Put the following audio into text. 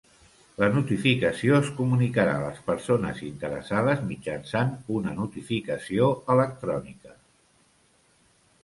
La notificació es comunicarà a les persones interessades mitjançant una notificació electrònica.